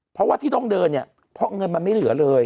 เพราะว่าที่ต้องเดินเนี่ยเพราะเงินมันไม่เหลือเลย